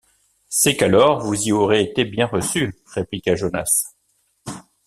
C’est qu’alors vous y aurez été bien reçu, répliqua Jonas.